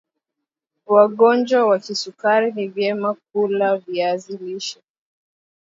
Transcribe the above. wagonjwa wa kisukari ni vyema kula viazi lishe